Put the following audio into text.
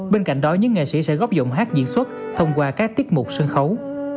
bên cạnh đó những nghệ sĩ sẽ góp dụng hát diễn xuất thông qua các tiết mục sân khấu